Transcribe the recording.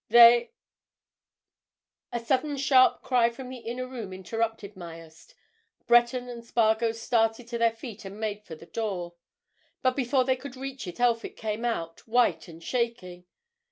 They—" A sudden sharp cry from the inner room interrupted Myerst. Breton and Spargo started to their feet and made for the door. But before they could reach it Elphick came out, white and shaking.